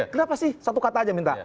kenapa sih satu kata aja minta